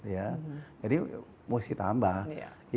jadi mesti tambah